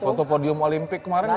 foto podium olimpik kemarin gak ada